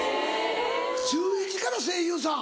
中１から声優さん。